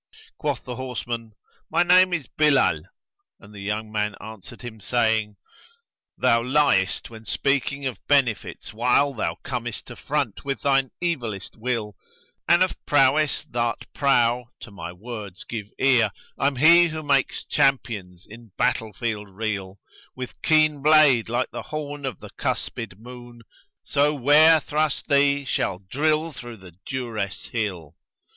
Quoth the horseman, "My name is Bilál;"[FN#123] and the young man answered him, saying, "Thou liest when speaking of 'benefits,' while * Thou comest to front with shine evillest will An of prowess thou'rt prow, to my words give ear, * I'm he who make' champions in battle field reel With keen blade, like the horn of the cusped moon, * So 'ware thrust the, shall drill through the duress hill!"